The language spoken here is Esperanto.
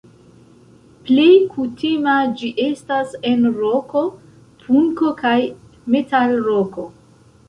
Plej kutima ĝi estas en roko, punko kaj metalroko.